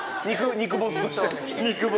肉ボスとして。